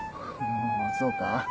おそうか？